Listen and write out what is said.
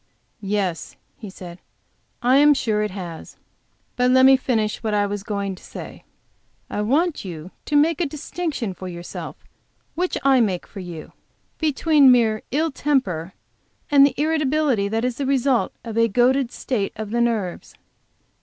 "Yes," he said, "I am sure it has. But let me finish what I was going to say. I want you to make a distinction for yourself, which I make for you, between mere ill temper, and the irritability that is the result of a goaded state of the nerves.